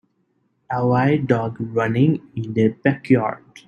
A white dog running in the backyard.